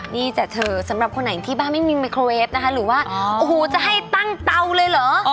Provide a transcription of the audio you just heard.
นี่จ้ะเธอสำหรับคนไหนที่บ้านไม่มีไมโครเวฟนะคะหรือว่าโอ้โหจะให้ตั้งเตาเลยเหรอ